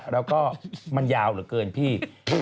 แล้วก็มันยาวเหลือเกินพี่